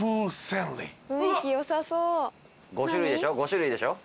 ５種類でしょ？